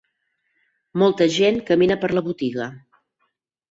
molta gent camina per la botiga.